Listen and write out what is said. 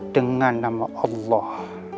dengan nama allah